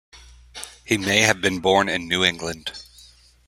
He may have been born in New England.